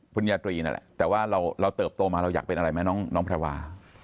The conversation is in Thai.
คุณยาตรีนั่นแหละแต่ว่าเราเติบโตมาเราอยากเป็นอะไรไหมน้องแพรวา